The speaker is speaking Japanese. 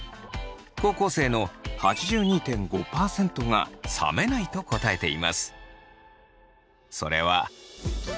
高校生の８２．５％が冷めないと答えています。